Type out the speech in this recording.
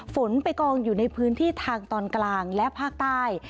ฝนไปกองอยู่ในพื้นที่ทางตอนกลางและภาคใต้